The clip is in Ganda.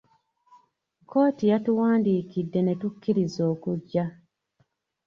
Kkooti yatuwandiikidde ne tukkiriza okujja.